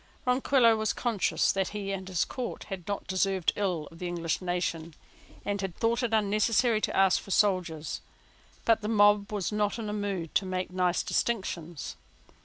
Ronquillo, conscious that he and his court had not deserved ill of the English nation, had thought it unnecessary to ask for soldiers: but the mob was not in a mood to make nice distinctions.